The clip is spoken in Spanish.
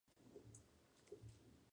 Sin embargo no jugó ni un tan solo partido.